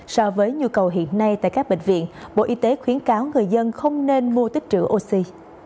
so với nhu cầu hiện nay tại các bệnh viện bộ y tế khuyến cáo người dân không nên mua tích trữ oxy